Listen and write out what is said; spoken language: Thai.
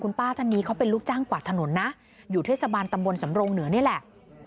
ป้าท่านนี้เขาเป็นลูกจ้างกวาดถนนนะอยู่เทศบาลตำบลสำรงเหนือนี่แหละ